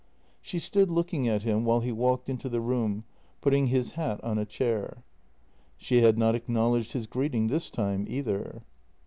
She stood looking at him while he walked into the room, putting his hat on a chair. She had not acknowledged his greeting this time either.